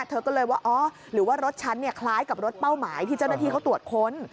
เธอก็เลยว่าอ๋อหรือว่ารถฉันเนี่ยคล้ายกับรถเป้าหมายที่เจ้าหน้าที่เขาตรวจค้น